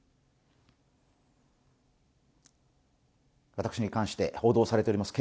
私に関して報道されております